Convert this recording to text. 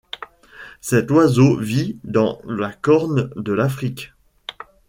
Cet oiseau vit dans la Corne de l'Afrique.